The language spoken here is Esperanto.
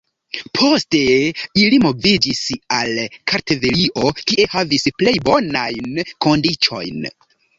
Poste ili moviĝis al Kartvelio, kie havis plej bonajn kondiĉojn.